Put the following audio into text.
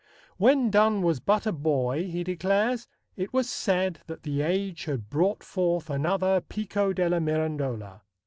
When Donne was but a boy, he declares, it was said that the age had brought forth another Pico della Mirandola.